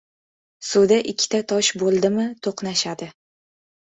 • Suvda ikkita tosh bo‘ldimi, to‘qnashadi.